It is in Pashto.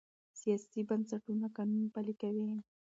سیاسي بنسټونه قانون پلي کوي